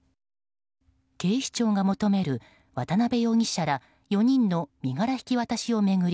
警視庁が求める渡辺容疑者ら４人の身柄引き渡しを巡り